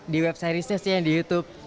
di webseriesnya sih yang di youtube